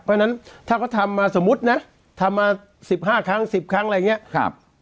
เพราะฉะนั้นถ้าเขาทำมาสมมุตินะทำมา๑๕ครั้ง๑๐ครั้งอะไรอย่างนี้